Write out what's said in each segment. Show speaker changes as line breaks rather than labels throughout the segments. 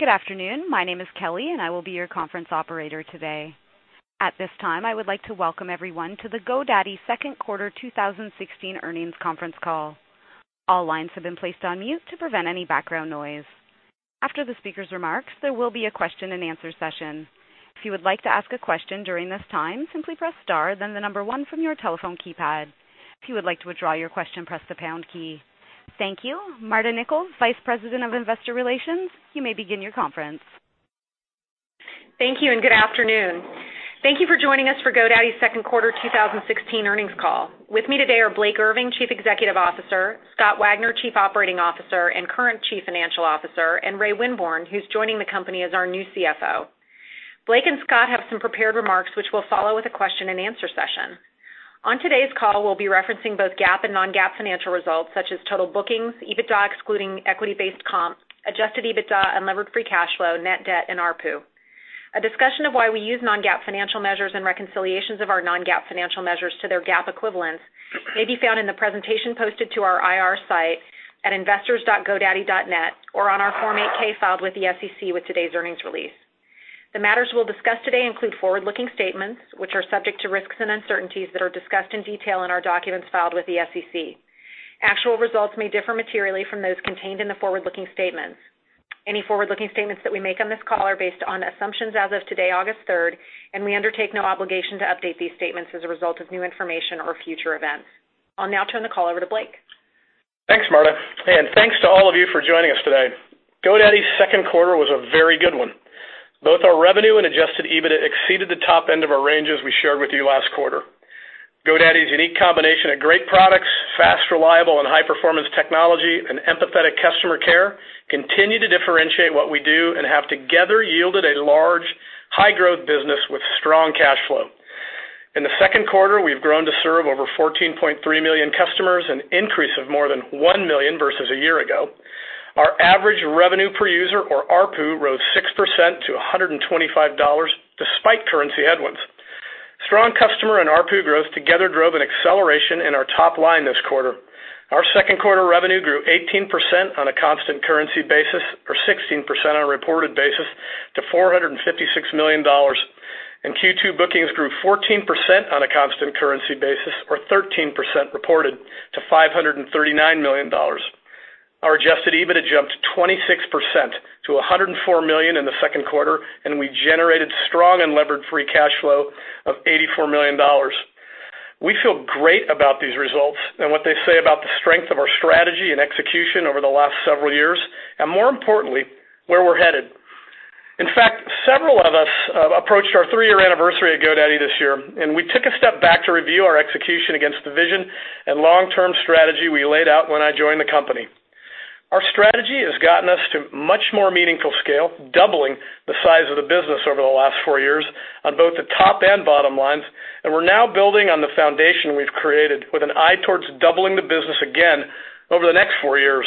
Good afternoon. My name is Kelly, and I will be your conference operator today. At this time, I would like to welcome everyone to the GoDaddy Second Quarter 2016 Earnings Conference Call. All lines have been placed on mute to prevent any background noise. After the speaker's remarks, there will be a question and answer session. If you would like to ask a question during this time, simply press star, then the number one from your telephone keypad. If you would like to withdraw your question, press the pound key. Thank you. Marta Nichols, Vice President of Investor Relations, you may begin your conference.
Thank you. Good afternoon. Thank you for joining us for GoDaddy's second quarter 2016 earnings call. With me today are Blake Irving, Chief Executive Officer, Scott Wagner, Chief Operating Officer and current Chief Financial Officer, and Ray Winborne, who's joining the company as our new CFO. Blake and Scott have some prepared remarks, which will follow with a question and answer session. On today's call, we'll be referencing both GAAP and non-GAAP financial results, such as total bookings, EBITDA excluding equity-based comp, adjusted EBITDA, unlevered free cash flow, net debt, and ARPU. A discussion of why we use non-GAAP financial measures and reconciliations of our non-GAAP financial measures to their GAAP equivalents may be found in the presentation posted to our IR site at investors.godaddy.net or on our Form 8-K filed with the SEC with today's earnings release. The matters we'll discuss today include forward-looking statements, which are subject to risks and uncertainties that are discussed in detail in our documents filed with the SEC. Actual results may differ materially from those contained in the forward-looking statements. Any forward-looking statements that we make on this call are based on assumptions as of today, August 3rd, we undertake no obligation to update these statements as a result of new information or future events. I'll now turn the call over to Blake.
Thanks, Marta. Thanks to all of you for joining us today. GoDaddy's second quarter was a very good one. Both our revenue and adjusted EBITDA exceeded the top end of our ranges we shared with you last quarter. GoDaddy's unique combination of great products, fast, reliable, and high-performance technology, and empathetic customer care continue to differentiate what we do and have together yielded a large, high-growth business with strong cash flow. In the second quarter, we've grown to serve over 14.3 million customers, an increase of more than 1 million versus a year ago. Our average revenue per user, or ARPU, rose 6% to $125 despite currency headwinds. Strong customer and ARPU growth together drove an acceleration in our top line this quarter. Our second quarter revenue grew 18% on a constant currency basis, or 16% on a reported basis, to $456 million, and Q2 bookings grew 14% on a constant currency basis, or 13% reported to $539 million. Our adjusted EBITDA jumped 26% to $104 million in the second quarter, and we generated strong unlevered free cash flow of $84 million. We feel great about these results and what they say about the strength of our strategy and execution over the last several years, and more importantly, where we're headed. In fact, several of us approached our three-year anniversary at GoDaddy this year, and we took a step back to review our execution against the vision and long-term strategy we laid out when I joined the company. Our strategy has gotten us to much more meaningful scale, doubling the size of the business over the last four years on both the top and bottom lines, and we're now building on the foundation we've created with an eye towards doubling the business again over the next four years.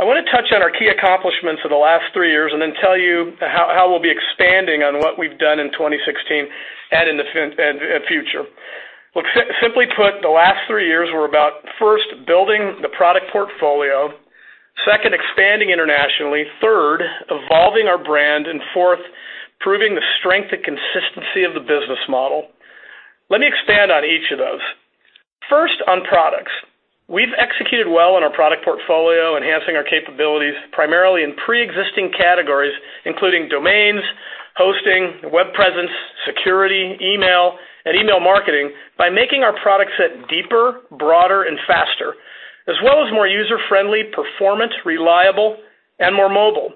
I want to touch on our key accomplishments for the last three years and then tell you how we'll be expanding on what we've done in 2016 and in future. Simply put, the last three years were about, first, building the product portfolio, second, expanding internationally, third, evolving our brand, and fourth, proving the strength and consistency of the business model. Let me expand on each of those. First, on products. We've executed well on our product portfolio, enhancing our capabilities primarily in pre-existing categories, including domains, hosting, web presence, security, email, and email marketing by making our product set deeper, broader, and faster, as well as more user-friendly, performant, reliable, and more mobile.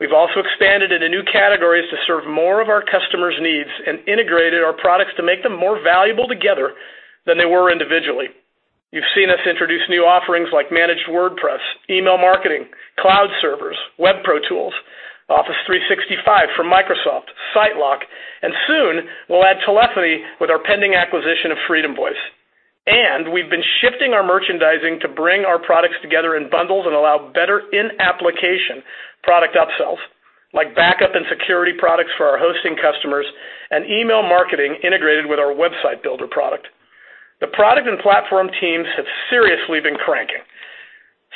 We've also expanded into new categories to serve more of our customers' needs and integrated our products to make them more valuable together than they were individually. You've seen us introduce new offerings like Managed WordPress, email marketing, cloud servers, WebPro tools, Office 365 from Microsoft, SiteLock, and soon we'll add telephony with our pending acquisition of FreedomVoice. We've been shifting our merchandising to bring our products together in bundles and allow better in-application product upsells, like backup and security products for our hosting customers and email marketing integrated with our website builder product. The product and platform teams have seriously been cranking.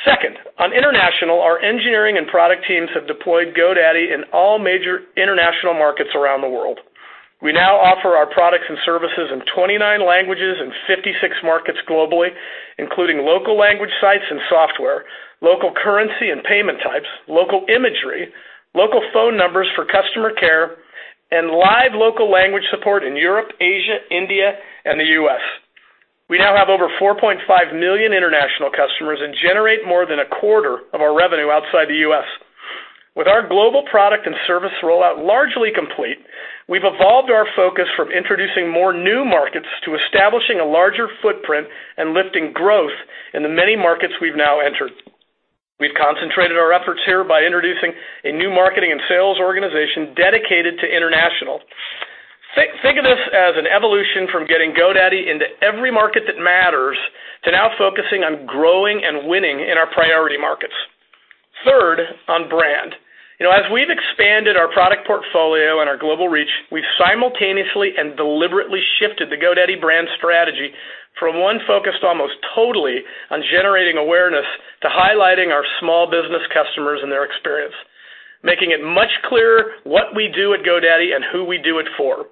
Second, on international, our engineering and product teams have deployed GoDaddy in all major international markets around the world. We now offer our products and services in 29 languages and 56 markets globally, including local language sites and software, local currency and payment types, local imagery, local phone numbers for customer care, and live local language support in Europe, Asia, India, and the U.S. We now have over 4.5 million international customers and generate more than a quarter of our revenue outside the U.S. With our global product and service rollout largely complete, we've evolved our focus from introducing more new markets to establishing a larger footprint and lifting growth in the many markets we've now entered. We've concentrated our efforts here by introducing a new marketing and sales organization dedicated to international. Think of this as an evolution from getting GoDaddy into every market that matters to now focusing on growing and winning in our priority markets. Third, on brand. As we've expanded our product portfolio and our global reach, we simultaneously and deliberately shifted the GoDaddy brand strategy from one focused almost totally on generating awareness to highlighting our small business customers and their experience, making it much clearer what we do at GoDaddy and who we do it for.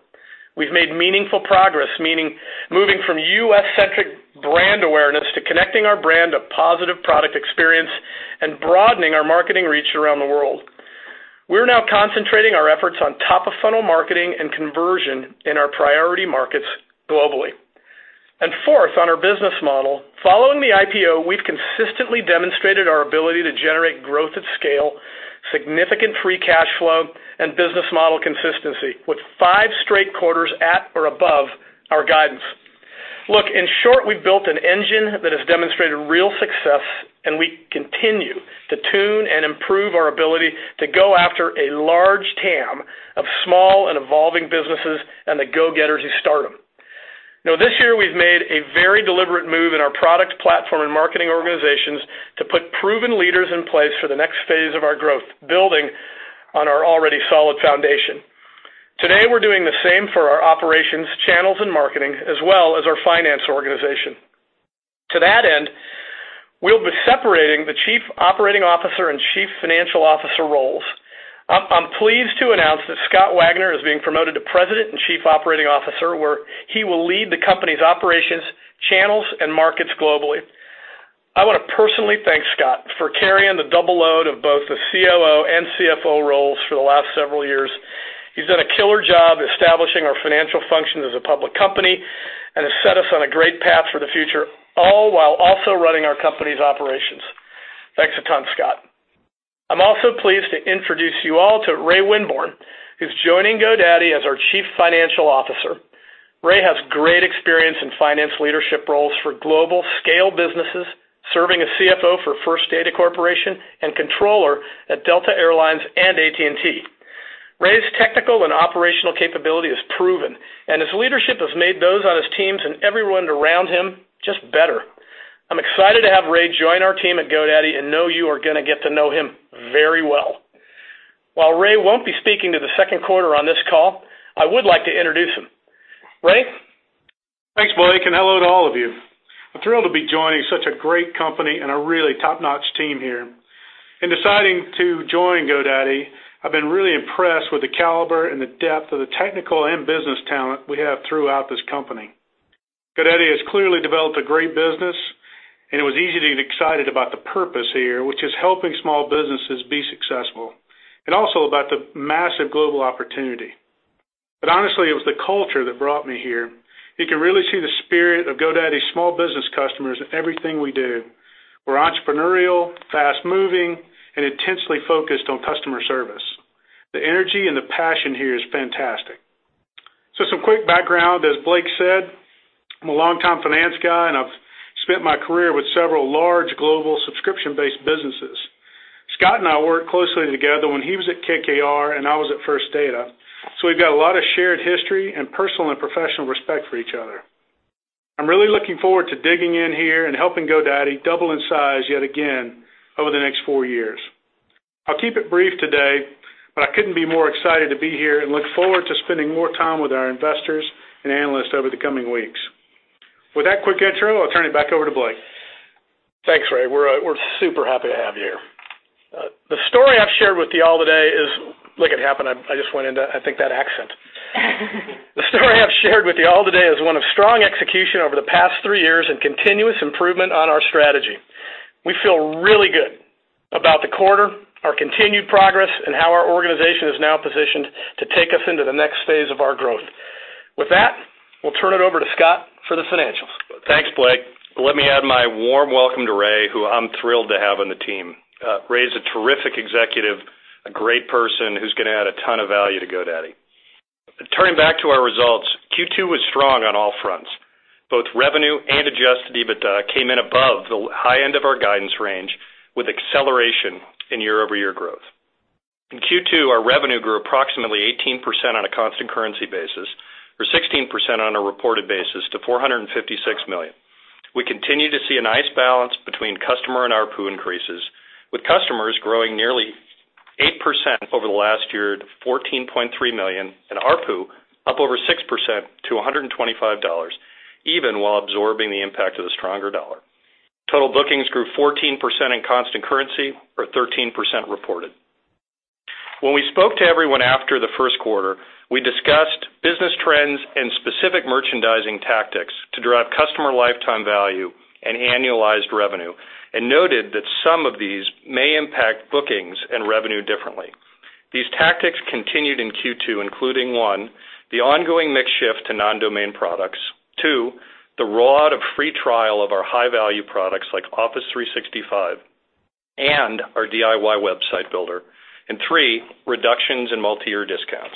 We've made meaningful progress, moving from U.S.-centric brand awareness to connecting our brand to positive product experience and broadening our marketing reach around the world. We're now concentrating our efforts on top-of-funnel marketing and conversion in our priority markets globally. Fourth, on our business model, following the IPO, we've consistently demonstrated our ability to generate growth at scale, significant free cash flow, and business model consistency, with five straight quarters at or above our guidance. In short, we've built an engine that has demonstrated real success. We continue to tune and improve our ability to go after a large TAM of small and evolving businesses and the go-getters who start them. This year, we've made a very deliberate move in our product platform and marketing organizations to put proven leaders in place for the next phase of our growth, building on our already solid foundation. Today, we're doing the same for our operations, channels, and marketing, as well as our finance organization. To that end, we'll be separating the Chief Operating Officer and Chief Financial Officer roles. I'm pleased to announce that Scott Wagner is being promoted to President and Chief Operating Officer, where he will lead the company's operations, channels, and markets globally. I want to personally thank Scott for carrying the double load of both the COO and CFO roles for the last several years. He's done a killer job establishing our financial function as a public company, and has set us on a great path for the future, all while also running our company's operations. Thanks a ton, Scott. I'm also pleased to introduce you all to Ray Winborne, who's joining GoDaddy as our Chief Financial Officer. Ray has great experience in finance leadership roles for global scale businesses, serving as CFO for First Data Corporation and controller at Delta Air Lines and AT&T. Ray's technical and operational capability is proven, and his leadership has made those on his teams and everyone around him just better. I'm excited to have Ray join our team at GoDaddy and know you are going to get to know him very well. While Ray won't be speaking to the second quarter on this call, I would like to introduce him. Ray?
Thanks, Blake. Hello to all of you. I'm thrilled to be joining such a great company and a really top-notch team here. In deciding to join GoDaddy, I've been really impressed with the caliber and the depth of the technical and business talent we have throughout this company. GoDaddy has clearly developed a great business. It was easy to get excited about the purpose here, which is helping small businesses be successful, and also about the massive global opportunity. Honestly, it was the culture that brought me here. You can really see the spirit of GoDaddy's small business customers in everything we do. We're entrepreneurial, fast-moving, and intensely focused on customer service. The energy and the passion here is fantastic. Some quick background, as Blake said, I'm a longtime finance guy, and I've spent my career with several large global subscription-based businesses. Scott and I worked closely together when he was at KKR and I was at First Data. We've got a lot of shared history and personal and professional respect for each other. I'm really looking forward to digging in here and helping GoDaddy double in size yet again over the next 4 years. I'll keep it brief today. I couldn't be more excited to be here and look forward to spending more time with our investors and analysts over the coming weeks. With that quick intro, I'll turn it back over to Blake.
Thanks, Ray. We're super happy to have you here. The story I've shared with you all today is. The story I've shared with you all today is one of strong execution over the past 3 years and continuous improvement on our strategy. We feel really good about the quarter, our continued progress, and how our organization is now positioned to take us into the next phase of our growth. With that, we'll turn it over to Scott for the financials.
Thanks, Blake. Let me add my warm welcome to Ray, who I'm thrilled to have on the team. Ray is a terrific executive, a great person who's going to add a ton of value to GoDaddy. Turning back to our results, Q2 was strong on all fronts. Both revenue and adjusted EBITDA came in above the high end of our guidance range, with acceleration in year-over-year growth. In Q2, our revenue grew approximately 18% on a constant currency basis, or 16% on a reported basis to $456 million. We continue to see a nice balance between customer and ARPU increases, with customers growing nearly 8% over the last year to 14.3 million, and ARPU up over 6% to $125, even while absorbing the impact of the stronger dollar. Total bookings grew 14% in constant currency or 13% reported. When we spoke to everyone after the first quarter, we discussed business trends and specific merchandising tactics to drive customer lifetime value and annualized revenue, and noted that some of these may impact bookings and revenue differently. These tactics continued in Q2, including, one, the ongoing mix shift to non-domain products, two, the rollout of free trial of our high-value products like Office 365 and our DIY website builder, and three, reductions in multiyear discounts.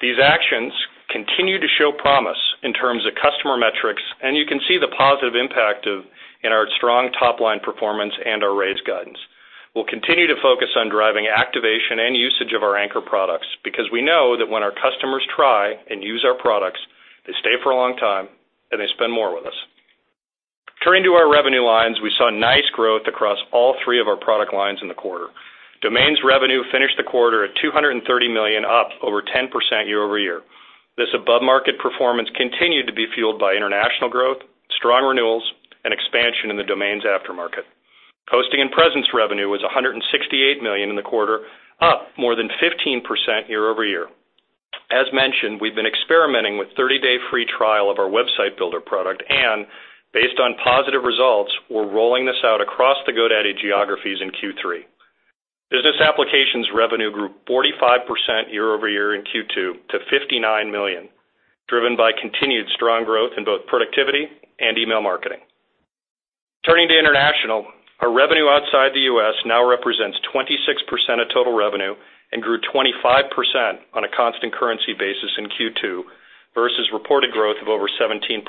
These actions continue to show promise in terms of customer metrics, and you can see the positive impact in our strong top-line performance and our raised guidance. We'll continue to focus on driving activation and usage of our anchor products because we know that when our customers try and use our products, they stay for a long time, and they spend more with us. Turning to our revenue lines, we saw nice growth across all three of our product lines in the quarter. Domains revenue finished the quarter at $230 million, up over 10% year-over-year. This above-market performance continued to be fueled by international growth, strong renewals, and expansion in the domains aftermarket. Hosting and presence revenue was $168 million in the quarter, up more than 15% year-over-year. As mentioned, we've been experimenting with 30-day free trial of our website builder product, and based on positive results, we're rolling this out across the GoDaddy geographies in Q3. Business applications revenue grew 45% year-over-year in Q2 to $59 million, driven by continued strong growth in both productivity and email marketing. Turning to international, our revenue outside the U.S. now represents 26% of total revenue and grew 25% on a constant currency basis in Q2 versus reported growth of over 17%.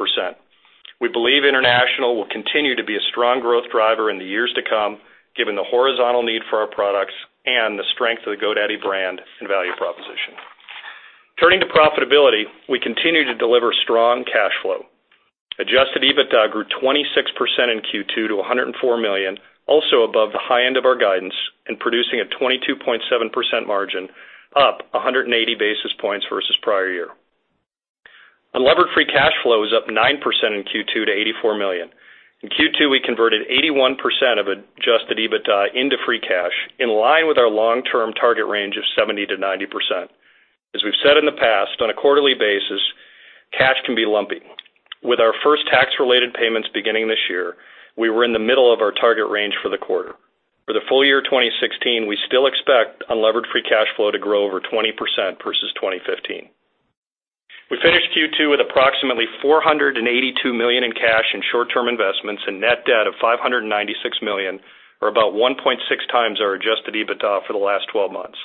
We believe international will continue to be a strong growth driver in the years to come, given the horizontal need for our products and the strength of the GoDaddy brand and value proposition. Turning to profitability, we continue to deliver strong cash flow. Adjusted EBITDA grew 26% in Q2 to $104 million, also above the high end of our guidance and producing a 22.7% margin, up 180 basis points versus prior year. Unlevered free cash flow is up 9% in Q2 to $84 million. In Q2, we converted 81% of adjusted EBITDA into free cash, in line with our long-term target range of 70%-90%. As we've said in the past, on a quarterly basis, cash can be lumpy. With our first tax-related payments beginning this year, we were in the middle of our target range for the quarter. For the full year 2016, we still expect unlevered free cash flow to grow over 20% versus 2015. We finished Q2 with approximately $482 million in cash and short-term investments and net debt of $596 million, or about 1.6 times our adjusted EBITDA for the last 12 months.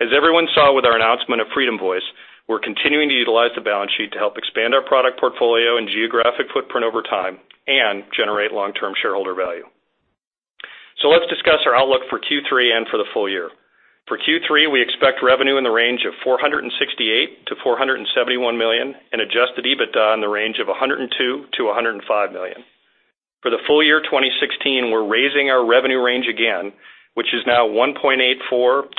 As everyone saw with our announcement of FreedomVoice, we're continuing to utilize the balance sheet to help expand our product portfolio and geographic footprint over time and generate long-term shareholder value. Let's discuss our outlook for Q3 and for the full year. For Q3, we expect revenue in the range of $468 million-$471 million and adjusted EBITDA in the range of $102 million-$105 million. For the full year 2016, we're raising our revenue range again, which is now $1.84 billion-$1.847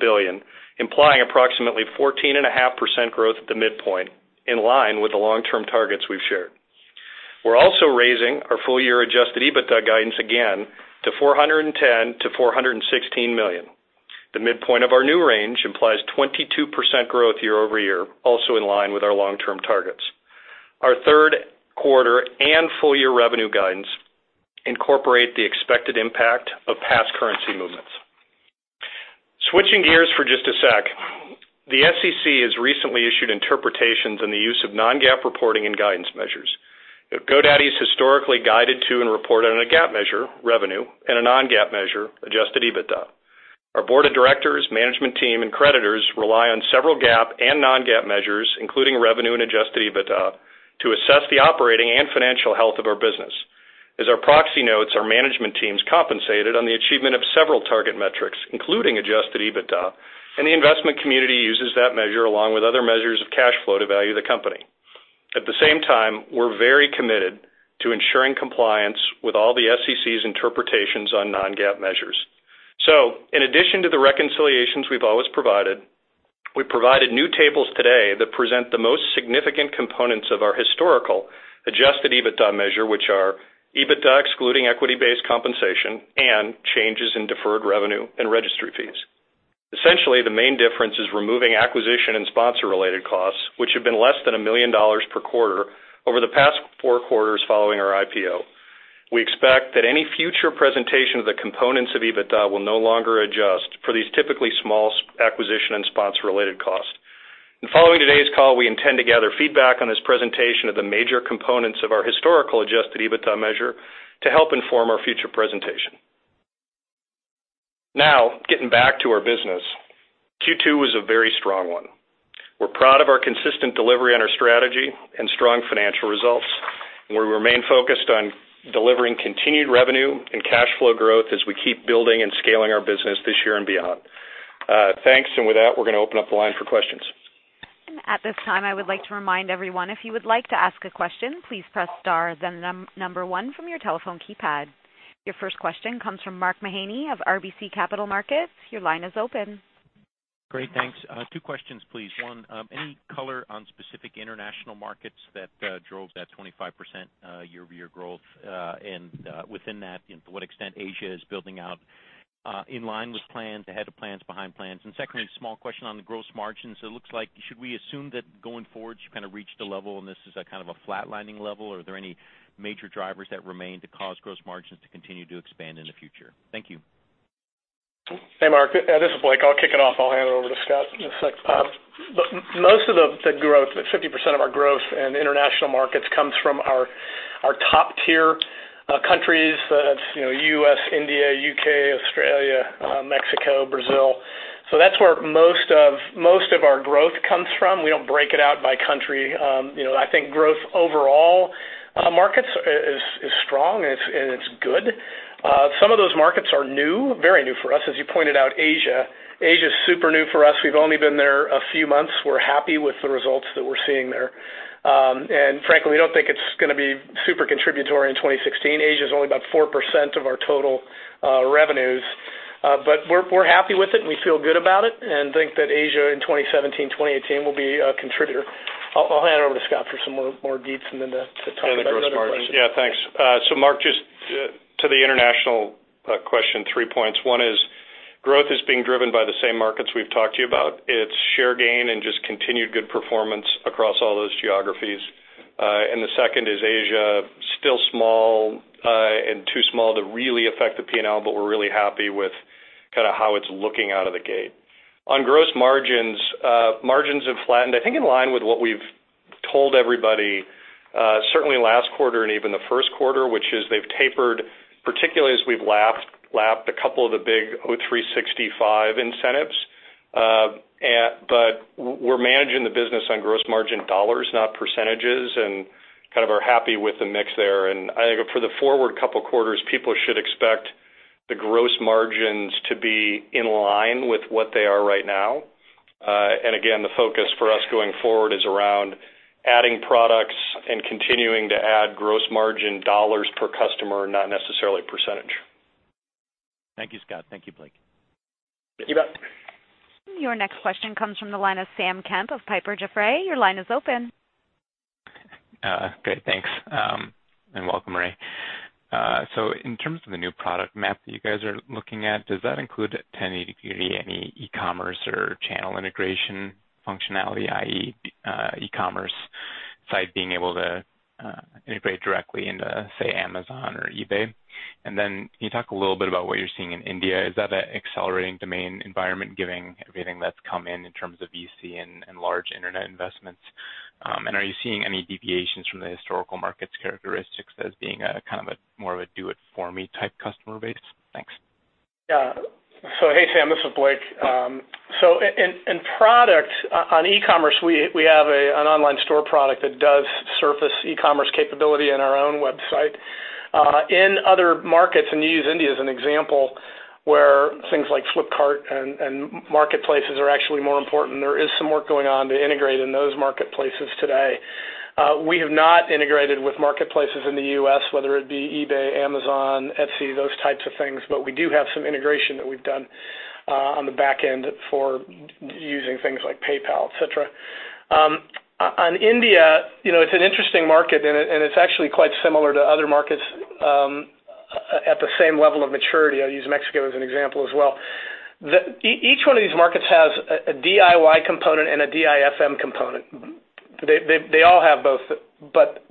billion, implying approximately 14.5% growth at the midpoint, in line with the long-term targets we've shared. We're also raising our full-year adjusted EBITDA guidance again to $410 million-$416 million. The midpoint of our new range implies 22% growth year-over-year, also in line with our long-term targets. Our third quarter and full year revenue guidance incorporate the expected impact of past currency movements. Switching gears for just a sec, the SEC has recently issued interpretations on the use of non-GAAP reporting and guidance measures. GoDaddy has historically guided to and reported on a GAAP measure, revenue, and a non-GAAP measure, adjusted EBITDA. Our board of directors, management team, and creditors rely on several GAAP and non-GAAP measures, including revenue and adjusted EBITDA, to assess the operating and financial health of our business. As our proxy notes, our management team's compensated on the achievement of several target metrics, including adjusted EBITDA, and the investment community uses that measure along with other measures of cash flow to value the company. At the same time, we're very committed to ensuring compliance with all the SEC's interpretations on non-GAAP measures. In addition to the reconciliations we've always provided, we provided new tables today that present the most significant components of our historical adjusted EBITDA measure, which are EBITDA excluding equity-based compensation and changes in deferred revenue and registry fees. Essentially, the main difference is removing acquisition and sponsor-related costs, which have been less than $1 million per quarter over the past four quarters following our IPO. We expect that any future presentation of the components of EBITDA will no longer adjust for these typically small acquisition and sponsor-related costs. Following today's call, we intend to gather feedback on this presentation of the major components of our historical adjusted EBITDA measure to help inform our future presentation. Getting back to our business, Q2 was a very strong one. We're proud of our consistent delivery on our strategy and strong financial results, and we remain focused on delivering continued revenue and cash flow growth as we keep building and scaling our business this year and beyond. Thanks. With that, we're going to open up the line for questions.
At this time, I would like to remind everyone, if you would like to ask a question, please press star, then number one from your telephone keypad. Your first question comes from Mark Mahaney of RBC Capital Markets. Your line is open.
Great, thanks. Two questions, please. One, any color on specific international markets that drove that 25% year-over-year growth? Within that, to what extent Asia is building out in line with plans, ahead of plans, behind plans? Secondly, small question on the gross margins. It looks like, should we assume that going forward, you've kind of reached a level, and this is a kind of a flatlining level, or are there any major drivers that remain to cause gross margins to continue to expand in the future? Thank you.
Hey, Mark. This is Blake. I'll kick it off. I'll hand it over to Scott in a sec. Most of the growth, 50% of our growth in the international markets comes from our top-tier countries. That's U.S., India, U.K., Australia, Mexico, Brazil. That's where most of our growth comes from. We don't break it out by country. I think growth overall markets is strong, and it's good Some of those markets are new, very new for us. As you pointed out, Asia. Asia is super new for us. We've only been there a few months. We're happy with the results that we're seeing there. Frankly, we don't think it's going to be super contributory in 2016. Asia's only about 4% of our total revenues. We're happy with it, and we feel good about it and think that Asia in 2017, 2018 will be a contributor. I'll hand it over to Scott for some more deets and then to talk about the other question.
Yeah, thanks. Mark, just to the international question, 3 points. One is growth is being driven by the same markets we've talked to you about. It's share gain and just continued good performance across all those geographies. The second is Asia, still small, and too small to really affect the P&L, but we're really happy with how it's looking out of the gate. On gross margins have flattened. I think in line with what we've told everybody, certainly last quarter and even the first quarter, which is they've tapered, particularly as we've lapped a couple of the big O365 incentives. We're managing the business on gross margin dollars, not percentages and kind of are happy with the mix there. I think for the forward couple quarters, people should expect the gross margins to be in line with what they are right now. Again, the focus for us going forward is around adding products and continuing to add gross margin dollars per customer, not necessarily percentage.
Thank you, Scott. Thank you, Blake.
Thank you, Mark.
Your next question comes from the line of Sam Kemp of Piper Jaffray. Your line is open.
Great. Thanks, and welcome, Ray. In terms of the new product map that you guys are looking at, does that include any e-commerce or channel integration functionality, i.e., e-commerce side being able to integrate directly into, say, Amazon or eBay? Can you talk a little bit about what you're seeing in India? Is that an accelerating domain environment, given everything that's come in terms of VC and large internet investments? Are you seeing any deviations from the historical market's characteristics as being kind of more of a do it for me type customer base? Thanks.
Yeah. Hey, Sam, this is Blake. In product on e-commerce, we have an online store product that does surface e-commerce capability in our own website. In other markets, and you use India as an example, where things like Flipkart and marketplaces are actually more important, there is some work going on to integrate in those marketplaces today. We have not integrated with marketplaces in the U.S., whether it be eBay, Amazon, Etsy, those types of things. But we do have some integration that we've done on the back end for using things like PayPal, et cetera. On India, it's an interesting market, and it's actually quite similar to other markets at the same level of maturity. I use Mexico as an example as well. Each one of these markets has a DIY component and a DIFM component. They all have both.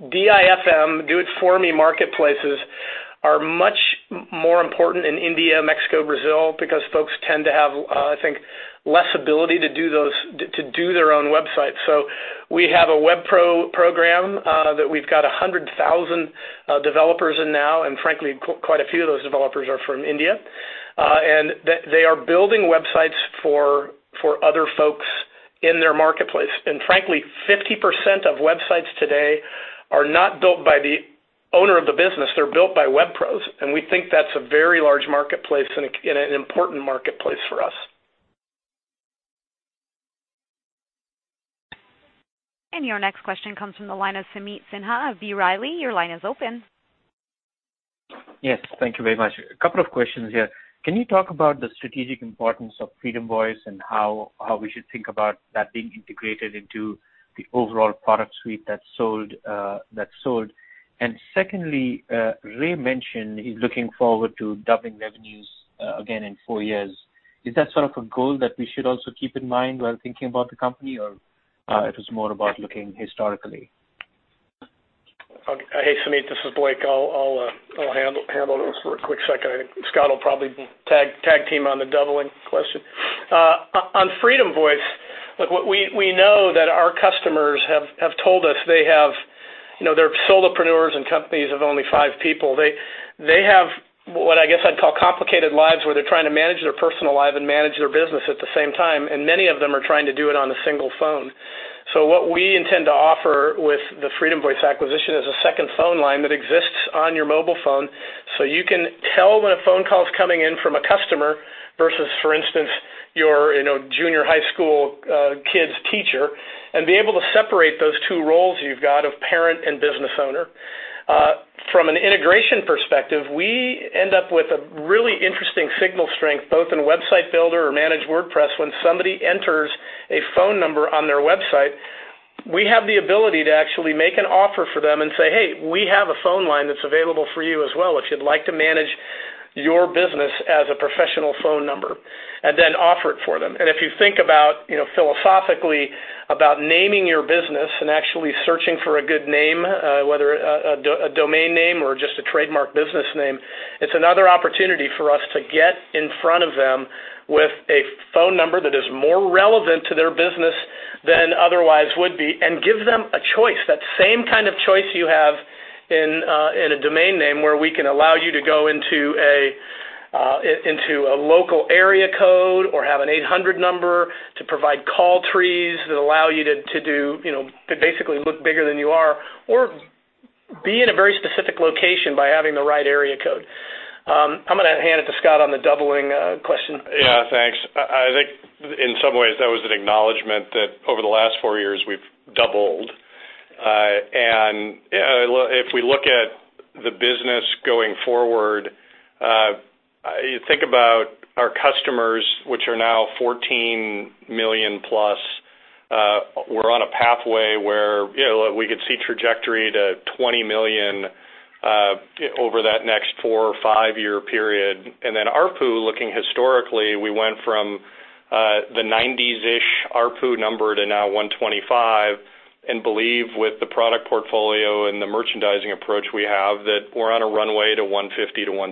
DIFM, do it for me marketplaces, are much more important in India, Mexico, Brazil, because folks tend to have, I think, less ability to do their own website. We have a WebPro program, that we've got 100,000 developers in now, frankly, quite a few of those developers are from India. They are building websites for other folks in their marketplace. Frankly, 50% of websites today are not built by the owner of the business. They're built by web pros, and we think that's a very large marketplace and an important marketplace for us.
Your next question comes from the line of Sameet Sinha of B. Riley. Your line is open.
Yes. Thank you very much. A couple of questions here. Can you talk about the strategic importance of FreedomVoice and how we should think about that being integrated into the overall product suite that's sold? Secondly, Ray mentioned he's looking forward to doubling revenues again in four years. Is that sort of a goal that we should also keep in mind while thinking about the company, or it is more about looking historically?
Hey, Sameet, this is Blake. I'll handle this for a quick second. I think Scott will probably tag team on the doubling question. On FreedomVoice, look, we know that our customers have told us they're solopreneurs and companies of only five people. They have what I guess I'd call complicated lives, where they're trying to manage their personal life and manage their business at the same time, and many of them are trying to do it on a single phone. What we intend to offer with the FreedomVoice acquisition is a second phone line that exists on your mobile phone so you can tell when a phone call's coming in from a customer versus, for instance, your junior high school kid's teacher, and be able to separate those two roles you've got of parent and business owner. From an integration perspective, we end up with a really interesting signal strength, both in Website Builder or Managed WordPress. When somebody enters a phone number on their website, we have the ability to actually make an offer for them and say, "Hey, we have a phone line that's available for you as well, if you'd like to manage your business as a professional phone number," and then offer it for them. If you think about philosophically about naming your business and actually searching for a good name, whether a domain name or just a trademark business name, it's another opportunity for us to get in front of them with a phone number that is more relevant to their business than otherwise would be, and give them a choice. That same kind of choice you have in a domain name, where we can allow you to go into a local area code or have an 800 number to provide call trees that allow you to basically look bigger than you are, or be in a very specific location by having the right area code. I'm going to hand it to Scott on the doubling question.
Yeah, thanks. I think in some ways that was an acknowledgement that over the last four years we've doubled. If we look at the business going forward, you think about our customers, which are now 14 million-plus. We're on a pathway where we could see trajectory to 20 million over that next four or five-year period. ARPU, looking historically, we went from the 90s-ish ARPU number to now $125, and believe with the product portfolio and the merchandising approach we have, that we're on a runway to $150-$175.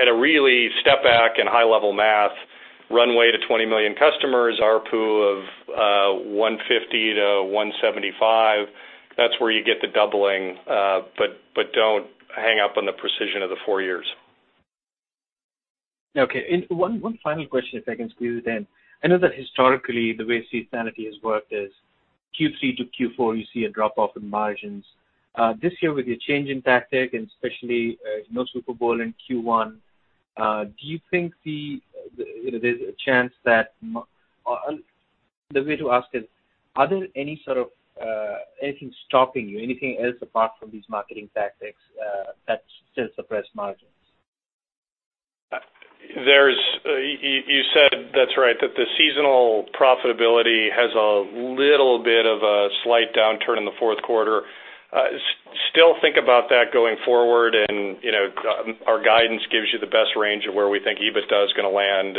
At a really step back and high level math runway to 20 million customers, ARPU of $150-$175, that's where you get the doubling. Don't hang up on the precision of the four years.
Okay. One final question, if I can squeeze it in. I know that historically the way seasonality has worked is Q3 to Q4, you see a drop-off in margins. This year with your change in tactic and especially no Super Bowl in Q1, do you think there's a chance the way to ask is, are there any sort of anything stopping you, anything else apart from these marketing tactics that still suppress margins?
You said, that's right, that the seasonal profitability has a little bit of a slight downturn in the fourth quarter. Still think about that going forward, and our guidance gives you the best range of where we think EBITDA is going to land.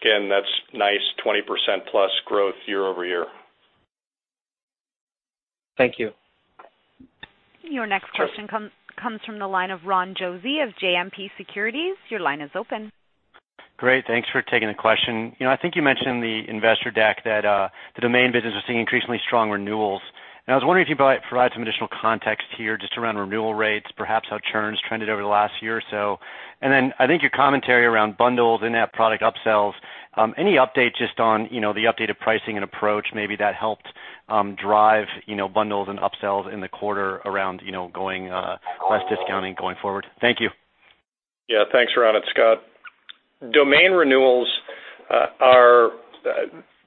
Again, that's nice 20% plus growth year-over-year.
Thank you.
Your next question comes from the line of Ron Josey of JMP Securities. Your line is open.
Great. Thanks for taking the question. I think you mentioned the investor deck that the domain business was seeing increasingly strong renewals. I was wondering if you could provide some additional context here just around renewal rates, perhaps how churn's trended over the last year or so. Then I think your commentary around bundles and that product upsells, any update just on the updated pricing and approach maybe that helped drive bundles and upsells in the quarter around going less discounting going forward? Thank you.
Thanks, Ron. It's Scott. Domain renewals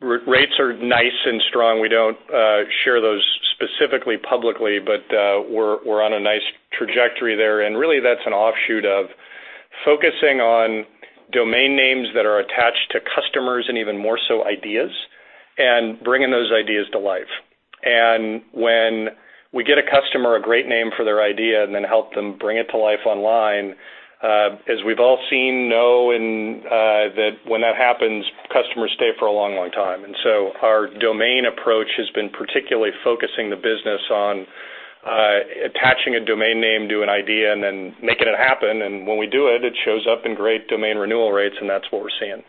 rates are nice and strong. We don't share those specifically publicly, but we're on a nice trajectory there. Really that's an offshoot of focusing on domain names that are attached to customers and even more so ideas and bringing those ideas to life. When we get a customer a great name for their idea and then help them bring it to life online, as we've all seen, when that happens, customers stay for a long time. Our domain approach has been particularly focusing the business on attaching a domain name to an idea and then making it happen. When we do it shows up in great domain renewal rates, and that's what we're seeing.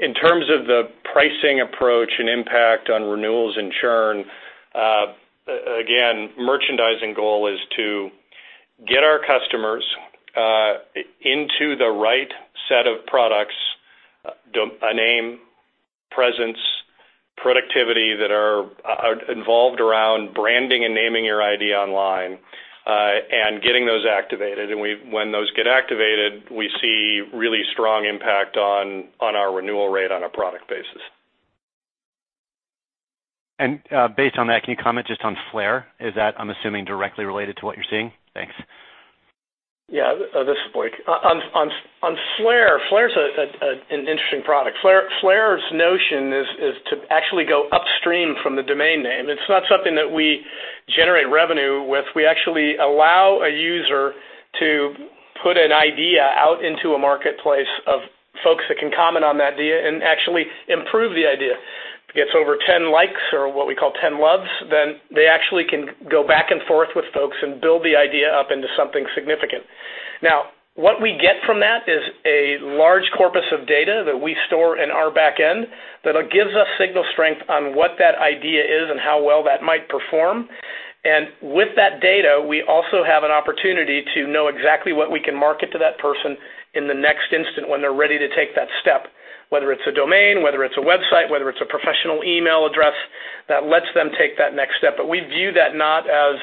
In terms of the pricing approach and impact on renewals and churn, again, merchandising goal is to get our customers into the right set of products, a name, presence, productivity that are involved around branding and naming your idea online, and getting those activated. When those get activated, we see really strong impact on our renewal rate on a product basis.
Based on that, can you comment just on Flare? Is that, I'm assuming, directly related to what you're seeing? Thanks.
This is Blake. On Flare's an interesting product. Flare's notion is to actually go upstream from the domain name. It's not something that we generate revenue with. We actually allow a user to put an idea out into a marketplace of folks that can comment on that idea and actually improve the idea. If it gets over 10 likes or what we call 10 loves, then they actually can go back and forth with folks and build the idea up into something significant. Now, what we get from that is a large corpus of data that we store in our back end that gives us signal strength on what that idea is and how well that might perform. With that data, we also have an opportunity to know exactly what we can market to that person in the next instant when they're ready to take that step, whether it's a domain, whether it's a website, whether it's a professional email address that lets them take that next step. We view that not as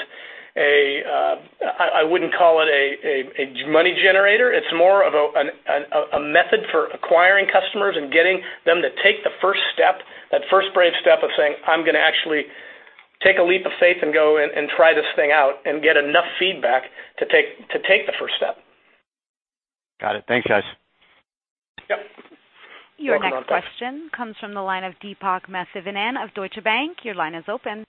I wouldn't call it a money generator. It's more of a method for acquiring customers and getting them to take the first step, that first brave step of saying, "I'm going to actually take a leap of faith and go and try this thing out" and get enough feedback to take the first step.
Got it. Thanks, guys.
Yep.
Your next question comes from the line of Deepak Mathivanan of Deutsche Bank. Your line is open.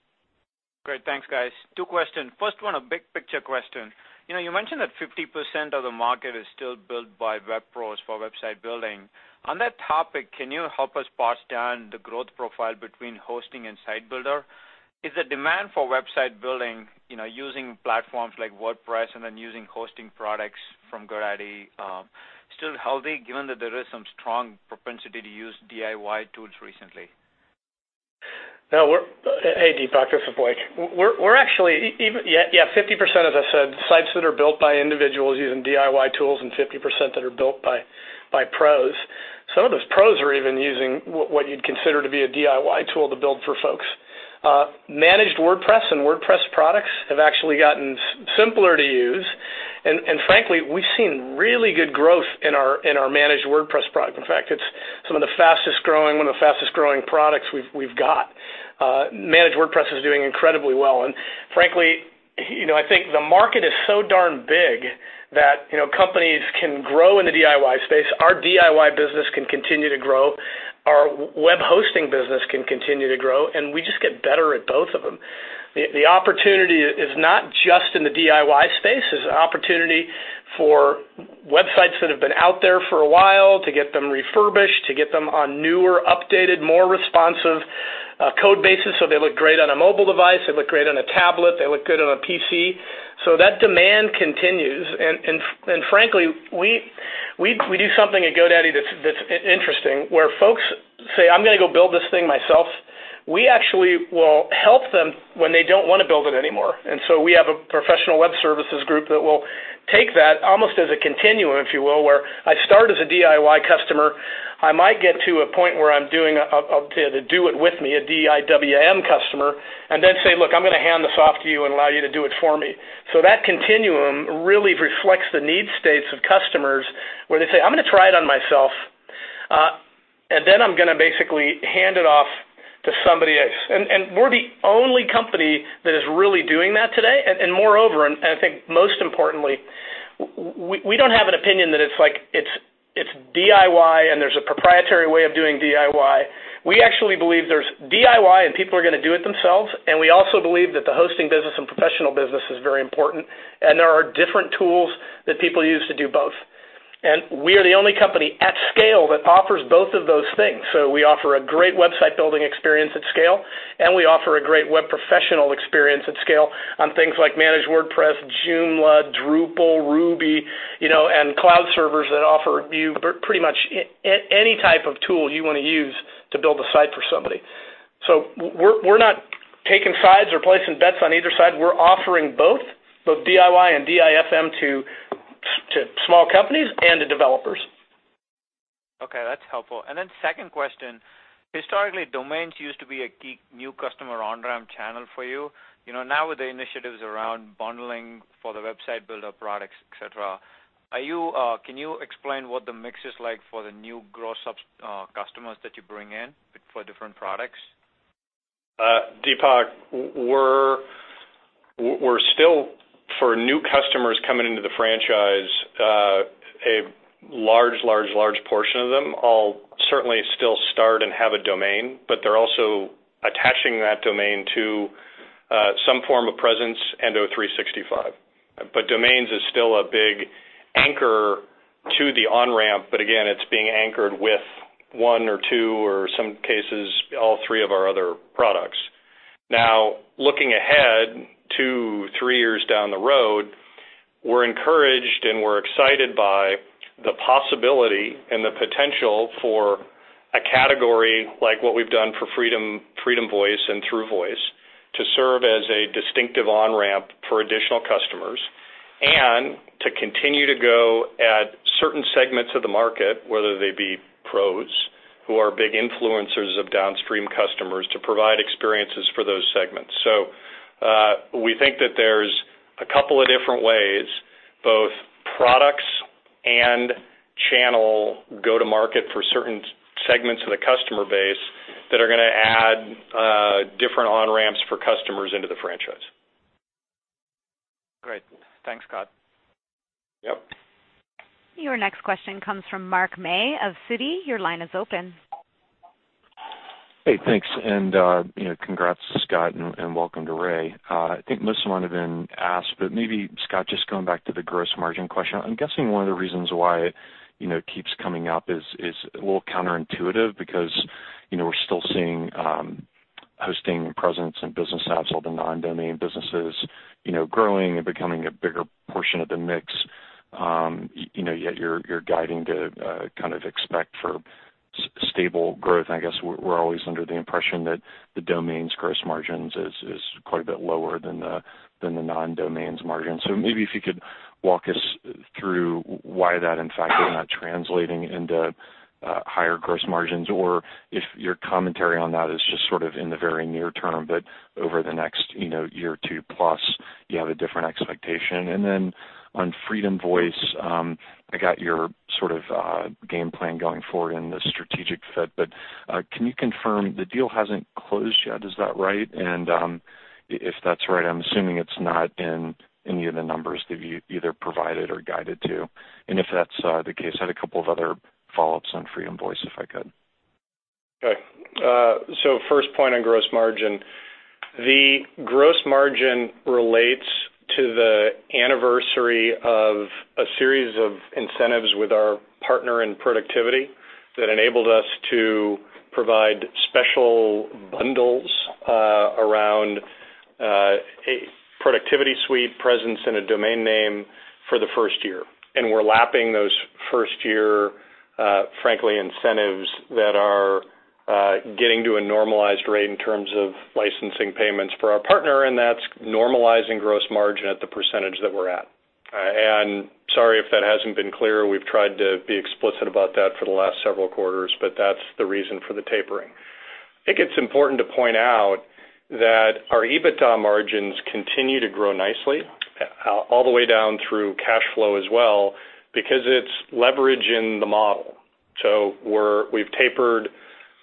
Great. Thanks, guys. Two questions. First one, a big picture question. You mentioned that 50% of the market is still built by web pros for website building. On that topic, can you help us parse down the growth profile between hosting and site builder? Is the demand for website building using platforms like WordPress and then using hosting products from GoDaddy still healthy given that there is some strong propensity to use DIY tools recently?
No, Hey, Deepak, this is Blake. We're actually, yeah, 50%, as I said, sites that are built by individuals using DIY tools and 50% that are built by pros. Some of those pros are even using what you'd consider to be a DIY tool to build for folks. Managed WordPress and WordPress products have actually gotten simpler to use, and frankly, we've seen really good growth in our Managed WordPress product. In fact, it's one of the fastest-growing products we've got. Managed WordPress is doing incredibly well, and frankly, I think the market is so darn big that companies can grow in the DIY space. Our DIY business can continue to grow, our web hosting business can continue to grow, and we just get better at both of them. The opportunity is not just in the DIY space. There's an opportunity for websites that have been out there for a while to get them refurbished, to get them on newer, updated, more responsive code bases, so they look great on a mobile device, they look great on a tablet, they look good on a PC. That demand continues, and frankly, we do something at GoDaddy that's interesting, where folks say, "I'm going to go build this thing myself." We actually will help them when they don't want to build it anymore. We have a professional web services group that will take that almost as a continuum, if you will, where I start as a DIY customer, I might get to a point where I'm doing a do it with me, a DIWM customer, and then say, "Look, I'm going to hand this off to you and allow you to do it for me." That continuum really reflects the need states of customers where they say, "I'm going to try it on myself, and then I'm going to basically hand it off to somebody else." We're the only company that is really doing that today. Moreover, and I think most importantly, we don't have an opinion that it's DIY and there's a proprietary way of doing DIY. We actually believe there's DIY and people are going to do it themselves, and we also believe that the hosting business and professional business is very important, and there are different tools that people use to do both. We are the only company at scale that offers both of those things. We offer a great website-building experience at scale, and we offer a great web professional experience at scale on things like Managed WordPress, Joomla, Drupal, Ruby, and cloud servers that offer you pretty much any type of tool you want to use to build a site for somebody. We're not taking sides or placing bets on either side. We're offering both DIY and DIFM to small companies and to developers.
Okay, that's helpful. Second question. Historically, domains used to be a key new customer on-ramp channel for you. Now with the initiatives around bundling for the website builder products, et cetera, can you explain what the mix is like for the new gross customers that you bring in for different products?
Deepak, for new customers coming into the franchise, a large portion of them all certainly still start and have a domain, but they're also attaching that domain to some form of presence and O365. Domains is still a big anchor to the on-ramp, but again, it's being anchored with one or two, or in some cases, all three of our other products. Looking ahead two, three years down the road, we're encouraged and we're excited by the possibility and the potential for a category like what we've done for FreedomVoice and through voice to serve as a distinctive on-ramp for additional customers and to continue to go at certain segments of the market, whether they be pros, who are big influencers of downstream customers, to provide experiences for those segments. We think that there's a couple of different ways, both products and channel go to market for certain segments of the customer base that are going to add different on-ramps for customers into the franchise.
Great. Thanks, Scott.
Yep.
Your next question comes from Mark May of Citi. Your line is open.
Hey, thanks, and congrats, Scott, and welcome to Ray. I think most of them have been asked, but maybe, Scott, just going back to the gross margin question, I'm guessing one of the reasons why it keeps coming up is a little counterintuitive because we're still seeing hosting presence and business apps, all the non-domain businesses, growing and becoming a bigger portion of the mix, yet you're guiding to kind of expect for stable growth. I guess we're always under the impression that the domains gross margins is quite a bit lower than the non-domains margin. Maybe if you could walk us through why that, in fact, is not translating into higher gross margins, or if your commentary on that is just sort of in the very near term, but over the next year or two plus, you have a different expectation. On FreedomVoice, I got your sort of game plan going forward in the strategic fit, can you confirm the deal hasn't closed yet? Is that right? If that's right, I'm assuming it's not in any of the numbers that you either provided or guided to. If that's the case, I had a couple of other follow-ups on FreedomVoice, if I could.
First point on gross margin. The gross margin relates to the anniversary of a series of incentives with our partner in productivity that enabled us to provide special bundles Productivity suite presence and a domain name for the first year. We're lapping those first-year, frankly, incentives that are getting to a normalized rate in terms of licensing payments for our partner, and that's normalizing gross margin at the percentage that we're at. Sorry if that hasn't been clear. We've tried to be explicit about that for the last several quarters, that's the reason for the tapering. I think it's important to point out that our EBITDA margins continue to grow nicely all the way down through cash flow as well, because it's leverage in the model. We've tapered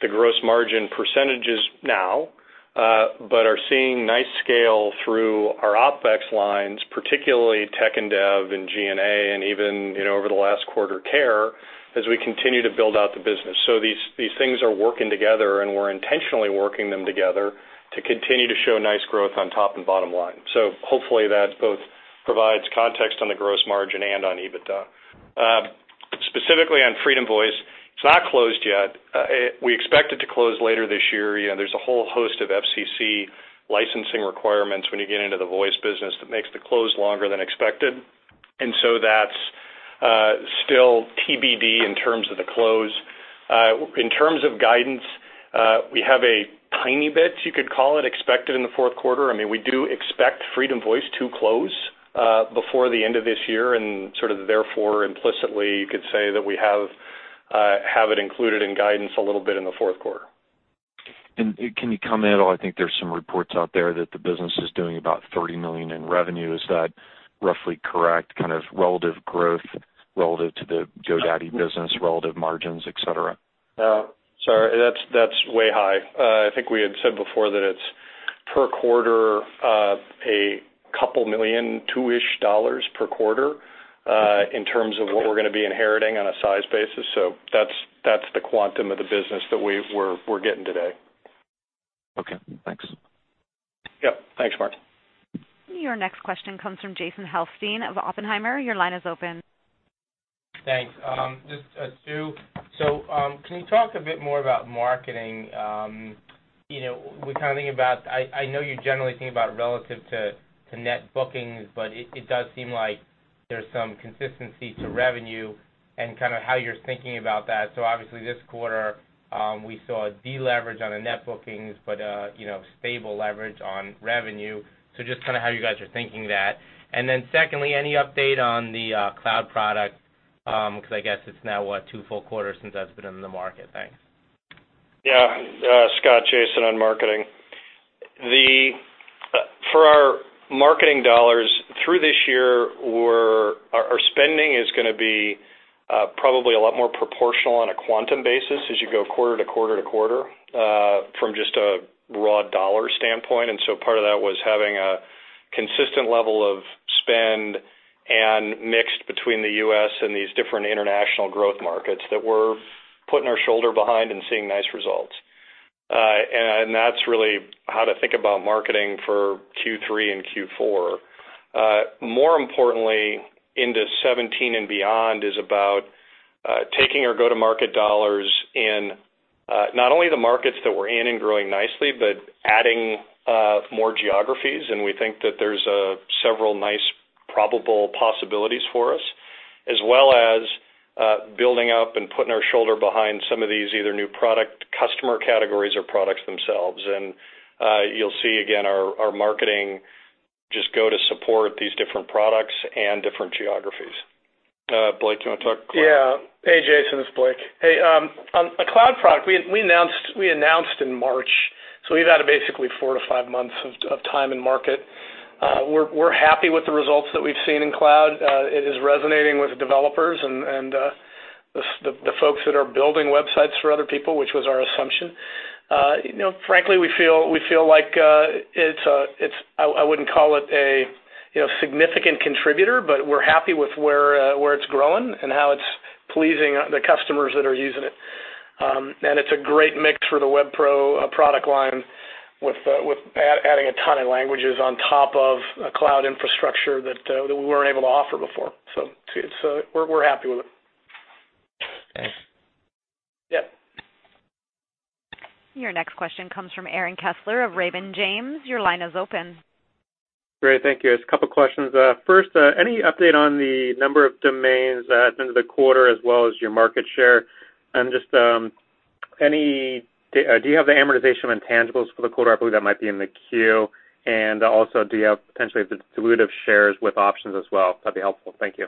the gross margin percentages now, but are seeing nice scale through our OpEx lines, particularly tech and dev and G&A, and even over the last quarter, care, as we continue to build out the business. These things are working together, and we're intentionally working them together to continue to show nice growth on top and bottom line. Hopefully that both provides context on the gross margin and on EBITDA. Specifically on FreedomVoice, it's not closed yet. We expect it to close later this year. There's a whole host of FCC licensing requirements when you get into the voice business that makes the close longer than expected, that's still TBD in terms of the close. In terms of guidance, we have a tiny bit, you could call it, expected in the fourth quarter. We do expect FreedomVoice to close before the end of this year and sort of therefore implicitly, you could say that we have it included in guidance a little bit in the fourth quarter.
Can you comment, I think there's some reports out there that the business is doing about $30 million in revenue. Is that roughly correct, kind of relative growth relative to the GoDaddy business, relative margins, et cetera?
No. Sorry, that's way high. I think we had said before that it's per quarter, a couple million, $2-ish per quarter, in terms of.
Okay
We're going to be inheriting on a size basis. That's the quantum of the business that we're getting today.
Okay, thanks.
Yep. Thanks, Mark.
Your next question comes from Jason Helfstein of Oppenheimer. Your line is open.
Thanks. Just, Scott, can you talk a bit more about marketing? We kind of think about, I know you generally think about relative to net bookings, but it does seem like there's some consistency to revenue and kind of how you're thinking about that. Obviously this quarter, we saw a deleverage on the net bookings, but a stable leverage on revenue. Just kind of how you guys are thinking that. Secondly, any update on the cloud product? Because I guess it's now, what, two full quarters since that's been in the market. Thanks.
Yeah. Scott, Jason, on marketing. For our marketing dollars through this year, our spending is going to be probably a lot more proportional on a quantum basis as you go quarter to quarter to quarter, from just a raw dollar standpoint, part of that was having a consistent level of spend and mixed between the U.S. and these different international growth markets that we're putting our shoulder behind and seeing nice results. That's really how to think about marketing for Q3 and Q4. More importantly, into 2017 and beyond is about taking our go-to-market dollars in not only the markets that we're in and growing nicely, but adding more geographies, we think that there's several nice probable possibilities for us, as well as building up and putting our shoulder behind some of these, either new product customer categories or products themselves. You'll see again, our marketing just go to support these different products and different geographies. Blake, do you want to talk cloud?
Yeah. Hey, Jason, it's Blake. Hey, on the cloud product, we announced in March, we've added basically four to five months of time in market. We're happy with the results that we've seen in cloud. It is resonating with developers and the folks that are building websites for other people, which was our assumption. Frankly, we feel like I wouldn't call it a significant contributor, but we're happy with where it's growing and how it's pleasing the customers that are using it. It's a great mix for the WebPro product line with adding a ton of languages on top of a cloud infrastructure that we weren't able to offer before. We're happy with it.
Thanks.
Yep.
Your next question comes from Aaron Kessler of Raymond James. Your line is open.
Great, thank you. Just a couple of questions. First, any update on the number of domains at the end of the quarter as well as your market share? Just do you have the amortization of intangibles for the quarter? I believe that might be in the 10-Q. Also, do you have potentially dilutive shares with options as well? That'd be helpful. Thank you.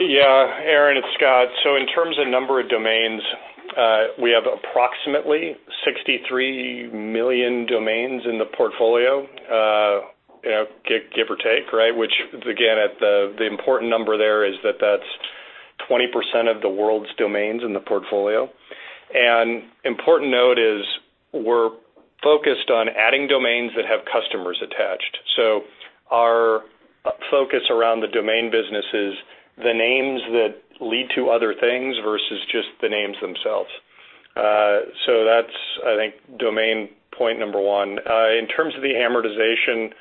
Yeah, Aaron, it's Scott. In terms of number of domains, we have approximately 63 million domains in the portfolio, give or take, right? Which again, the important number there is that that's 20% of the world's domains in the portfolio. Important note is we're focused on adding domains that have customers attached. Our focus around the domain business is the names that lead to other things versus just the names themselves. That's, I think, domain point number one. In terms of the amortization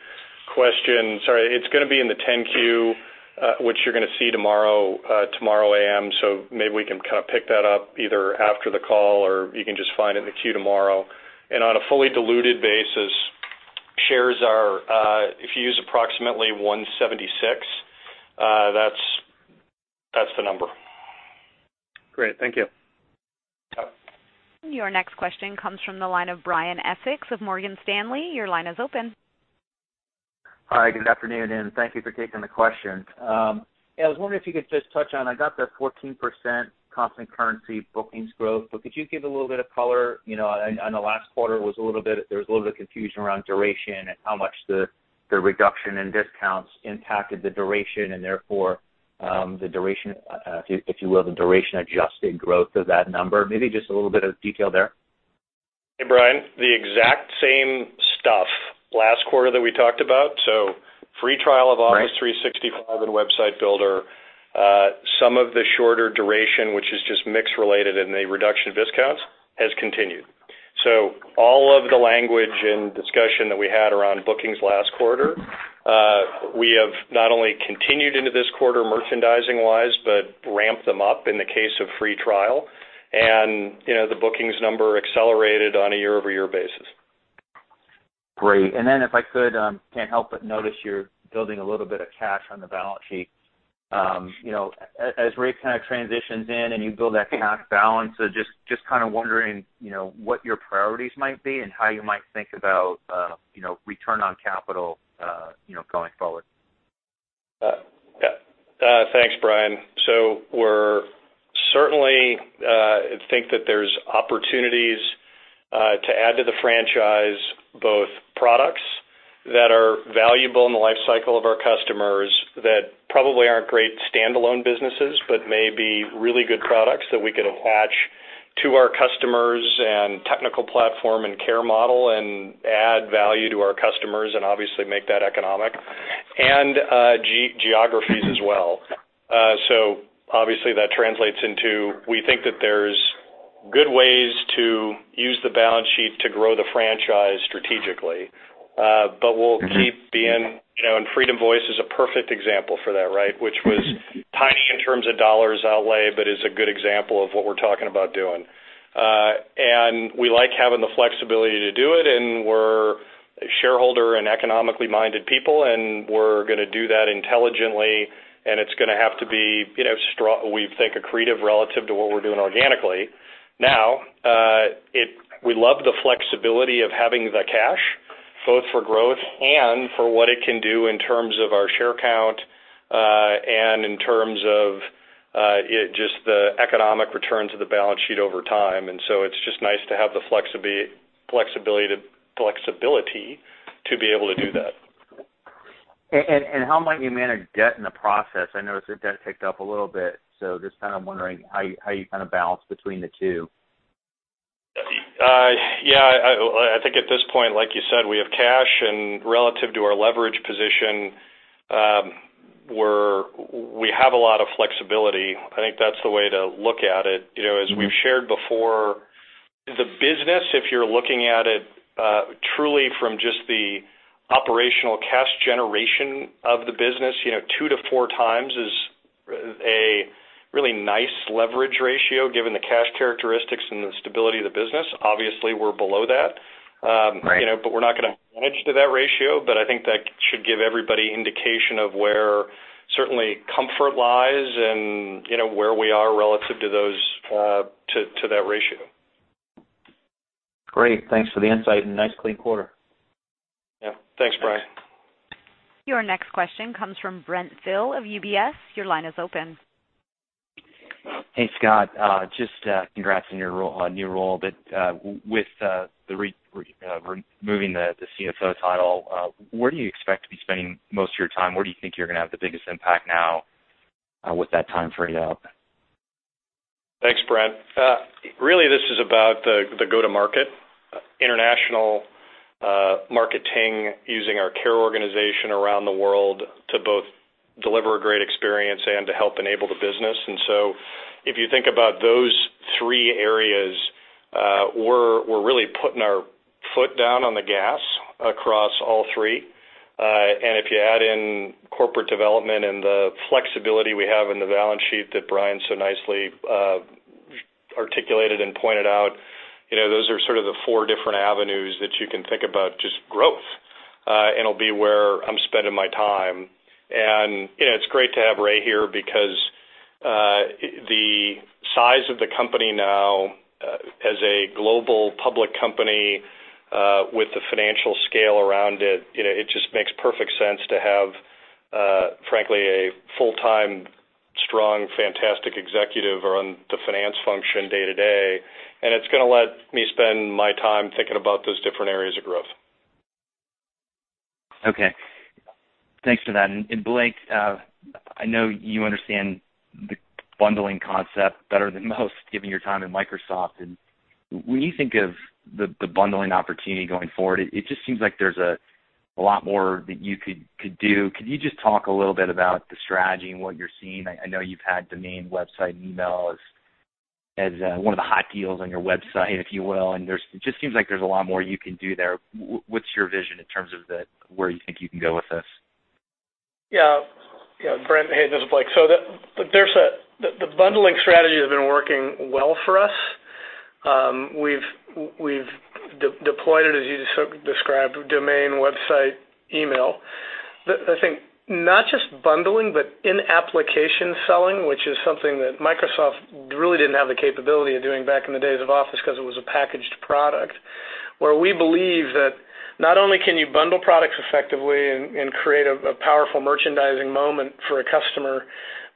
question. Sorry, it's going to be in the 10-Q, which you're going to see tomorrow A.M., so maybe we can pick that up either after the call or you can just find it in the Q tomorrow. And on a fully diluted basis, shares are, if you use approximately 176, that's the number.
Great. Thank you.
Yeah.
Your next question comes from the line of Brian Essex of Morgan Stanley. Your line is open.
Hi, good afternoon. Thank you for taking the question. I was wondering if you could just touch on, I got the 14% constant currency bookings growth, could you give a little bit of color? I know last quarter there was a little bit of confusion around duration and how much the reduction in discounts impacted the duration and therefore, if you will, the duration-adjusted growth of that number. Maybe just a little bit of detail there.
Hey, Brian. The exact same stuff last quarter that we talked about. Free trial of Office 365-
Right
and Website Builder. Some of the shorter duration, which is just mix related and the reduction of discounts has continued. All of the language and discussion that we had around bookings last quarter, we have not only continued into this quarter merchandising-wise, but ramped them up in the case of free trial. The bookings number accelerated on a year-over-year basis.
Great. If I could, can't help but notice you're building a little bit of cash on the balance sheet. As Ray kind of transitions in and you build that cash balance, just kind of wondering what your priorities might be and how you might think about return on capital going forward.
Yeah. Thanks, Brian. We certainly think that there's opportunities to add to the franchise, both products that are valuable in the life cycle of our customers that probably aren't great standalone businesses, but may be really good products that we could attach to our customers and technical platform and care model and add value to our customers and obviously make that economic, and geographies as well. Obviously that translates into, we think that there's good ways to use the balance sheet to grow the franchise strategically. We'll keep and FreedomVoice is a perfect example for that, which was tiny in terms of dollars outlay, but is a good example of what we're talking about doing. We like having the flexibility to do it, and we're shareholder and economically-minded people, and we're going to do that intelligently, and it's going to have to be, we think, accretive relative to what we're doing organically. Now, we love the flexibility of having the cash, both for growth and for what it can do in terms of our share count, and in terms of just the economic returns of the balance sheet over time. It's just nice to have the flexibility to be able to do that.
How might you manage debt in the process? I noticed the debt ticked up a little bit. Just kind of wondering how you balance between the two.
I think at this point, like you said, we have cash and relative to our leverage position, we have a lot of flexibility. I think that's the way to look at it. As we've shared before, the business, if you're looking at it truly from just the operational cash generation of the business, two to four times is a really nice leverage ratio given the cash characteristics and the stability of the business. Obviously, we're below that.
Right.
We're not going to manage to that ratio, but I think that should give everybody indication of where certainly comfort lies and where we are relative to that ratio.
Great. Thanks for the insight and nice clean quarter.
Yeah. Thanks, Brian.
Your next question comes from Brent Thill of UBS. Your line is open.
Hey, Scott. Just congrats on your new role, with removing the CFO title, where do you expect to be spending most of your time? Where do you think you're going to have the biggest impact now with that time freed up?
Thanks, Brent. Really, this is about the go-to-market, international marketing, using our care organization around the world to both deliver a great experience and to help enable the business. If you think about those three areas, we're really putting our foot down on the gas across all three. If you add in corporate development and the flexibility we have in the balance sheet that Brian so nicely articulated and pointed out, those are sort of the four different avenues that you can think about just growth, and it'll be where I'm spending my time. It's great to have Ray here because the size of the company now as a global public company with the financial scale around it just makes perfect sense to have, frankly, a full-time, strong, fantastic executive on the finance function day to day. It's going to let me spend my time thinking about those different areas of growth.
Okay. Thanks for that. Blake, I know you understand the bundling concept better than most given your time in Microsoft, and when you think of the bundling opportunity going forward, it just seems like there's a lot more that you could do. Could you just talk a little bit about the strategy and what you're seeing? I know you've had domain, website, and email as one of the hot deals on your website, if you will, it just seems like there's a lot more you can do there. What's your vision in terms of where you think you can go with this?
Yeah. Brent, hey, this is Blake. The bundling strategy has been working well for us. We've deployed it, as you described, domain, website, email. I think not just bundling, but in-application selling, which is something that Microsoft really didn't have the capability of doing back in the days of Office because it was a packaged product, where we believe that not only can you bundle products effectively and create a powerful merchandising moment for a customer,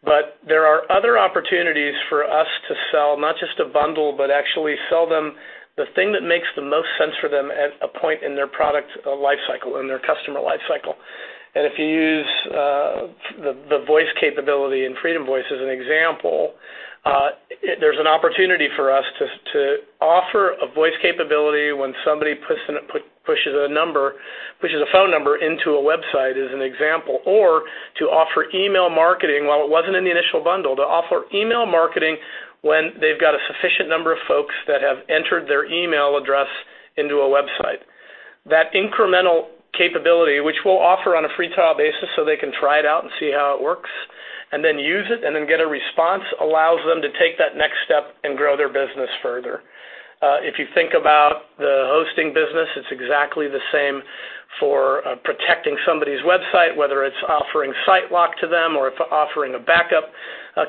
but there are other opportunities for us to sell, not just a bundle, but actually sell them the thing that makes the most sense for them at a point in their product life cycle, in their customer life cycle. If you use the voice capability in FreedomVoice as an example, there's an opportunity for us to offer a voice capability when somebody pushes a phone number into a website as an example, or to offer email marketing. While it wasn't in the initial bundle, to offer email marketing when they've got a sufficient number of folks that have entered their email address into a website. That incremental capability, which we'll offer on a free trial basis so they can try it out and see how it works, and then use it and then get a response, allows them to take that next step and grow their business further. If you think about the hosting business, it's exactly the same for protecting somebody's website, whether it's offering SiteLock to them or offering a backup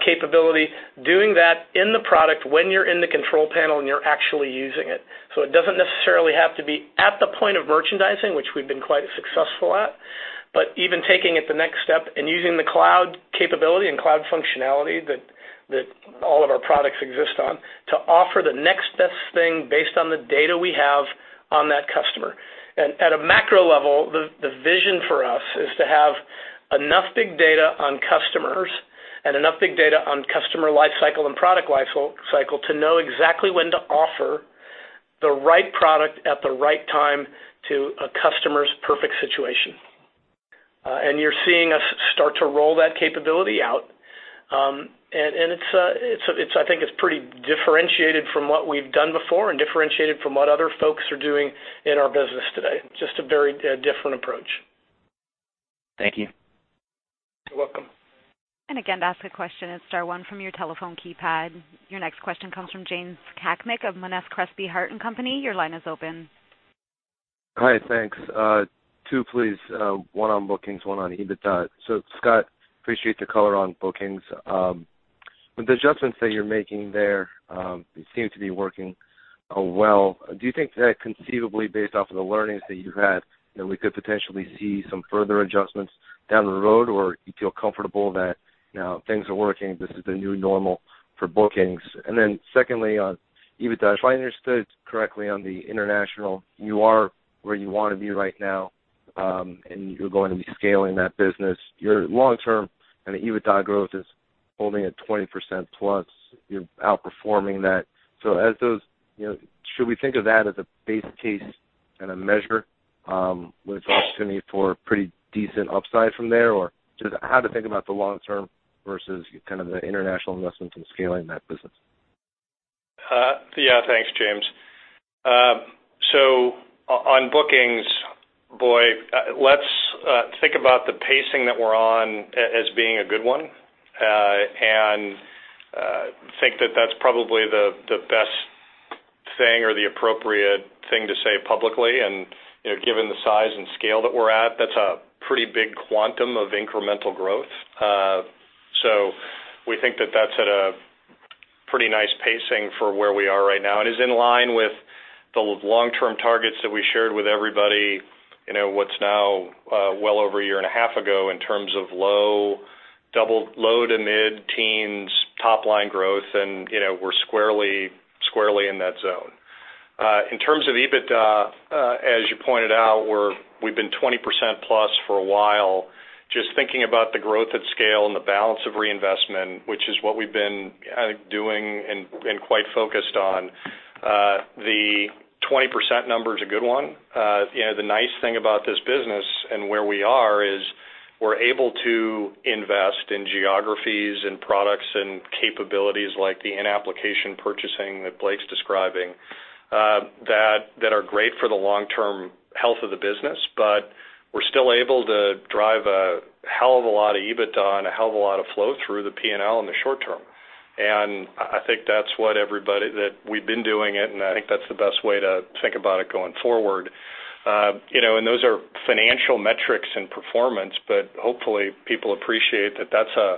capability, doing that in the product when you're in the control panel and you're actually using it. It doesn't necessarily have to be at the point of merchandising, which we've been quite successful at, but even taking it the next step and using the cloud capability and cloud functionality that all of our products exist on to offer the next best thing based on the data we have on that customer. At a macro level, the vision for us is to have enough big data on customers and enough big data on customer life cycle and product life cycle to know exactly when to offer the right product at the right time to a customer's perfect situation. You're seeing us start to roll that capability out, and I think it's pretty differentiated from what we've done before and differentiated from what other folks are doing in our business today. Just a very different approach.
Thank you.
You're welcome.
To ask a question, it's star one from your telephone keypad. Your next question comes from James Cakmak of Monness, Crespi, Hardt & Co. Your line is open.
Hi. Thanks. Two, please. One on bookings, one on EBITDA. Scott, appreciate the color on bookings. With the adjustments that you're making there, they seem to be working well. Do you think that conceivably, based off of the learnings that you've had, that we could potentially see some further adjustments down the road, or you feel comfortable that now things are working, this is the new normal for bookings? Then secondly, on EBITDA, if I understood correctly on the international, you are where you want to be right now, and you're going to be scaling that business. Your long-term EBITDA growth is holding at 20% plus. You're outperforming that. Should we think of that as a base case and a measure, with opportunity for pretty decent upside from there? Just how to think about the long term versus kind of the international investments and scaling that business?
Thanks, James. On bookings, boy, let's think about the pacing that we're on as being a good one, and think that that's probably the best thing or the appropriate thing to say publicly. Given the size and scale that we're at, that's a pretty big quantum of incremental growth. We think that that's at a pretty nice pacing for where we are right now, and is in line with the long-term targets that we shared with everybody, what's now well over a year and a half ago in terms of low to mid-teens top-line growth, and we're squarely in that zone. In terms of EBITDA, as you pointed out, we've been 20% plus for a while. Just thinking about the growth at scale and the balance of reinvestment, which is what we've been doing and been quite focused on. The 20% number is a good one. The nice thing about this business and where we are is we're able to invest in geographies and products and capabilities like the in-application purchasing that Blake's describing, that are great for the long-term health of the business. We're still able to drive a hell of a lot of EBITDA and a hell of a lot of flow through the P&L in the short term. I think that's what we've been doing it, and I think that's the best way to think about it going forward. Those are financial metrics and performance, but hopefully people appreciate that that's a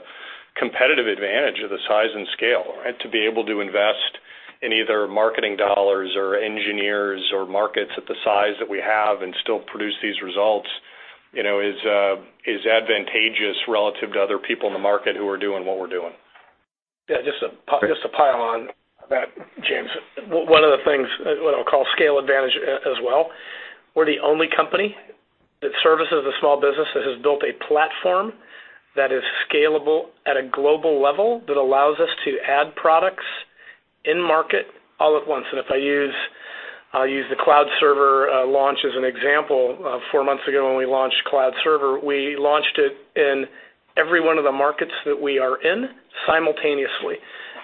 competitive advantage of the size and scale, right? To be able to invest in either marketing dollars or engineers or markets at the size that we have and still produce these results is advantageous relative to other people in the market who are doing what we're doing.
Yeah, just to pile on that, James. One of the things, what I'll call scale advantage as well, we're the only company that services a small business that has built a platform that is scalable at a global level that allows us to add products in market all at once. If I use the cloud server launch as an example, four months ago when we launched cloud server, we launched it in every one of the markets that we are in simultaneously.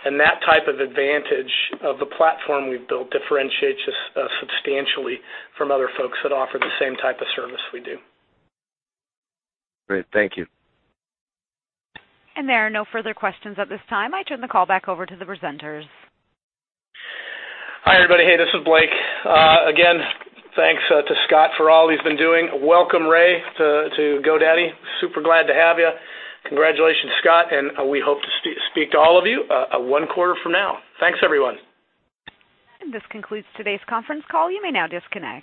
That type of advantage of the platform we've built differentiates us substantially from other folks that offer the same type of service we do.
Great. Thank you.
There are no further questions at this time. I turn the call back over to the presenters.
Hi, everybody. Hey, this is Blake. Again, thanks to Scott for all he's been doing. Welcome, Ray, to GoDaddy. Super glad to have you. Congratulations, Scott, and we hope to speak to all of you one quarter from now. Thanks, everyone.
This concludes today's conference call. You may now disconnect.